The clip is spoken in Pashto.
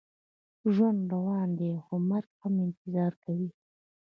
ژوند روان دی، خو مرګ هم انتظار کوي.